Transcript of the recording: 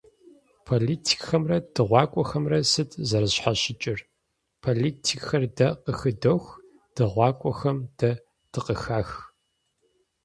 Политикхэмрэ дыгъуакӏуэхэмрэ сыт зэрызэщхьэщыкӏыр? Политикхэр дэ къыхыдох, дыгъуакӀуэхэм дэ дыкъыхах.